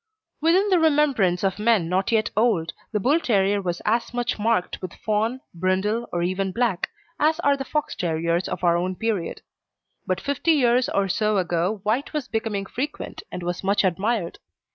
Within the remembrance of men not yet old the Bull terrier was as much marked with fawn, brindle, or even black, as are the Fox terriers of our own period. But fifty years or so ago white was becoming frequent, and was much admired.